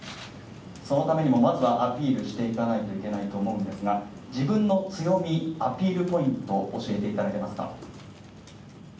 そのためにもまずはアピールしていかないといけないと思うんですが、自分の強み、アピールポイントを教えていただけますか？